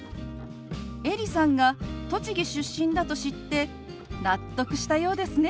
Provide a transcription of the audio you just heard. エリさんが栃木出身だと知って納得したようですね。